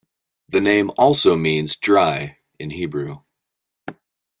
The name also means "dry" in Hebrew.